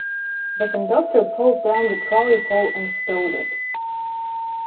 The conductor pulled down the trolley pole and stowed it.